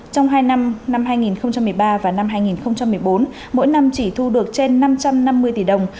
trong hai năm năm hai nghìn một mươi ba và năm hai nghìn một mươi bốn mỗi năm chỉ thu được trên năm trăm năm mươi tỷ đồng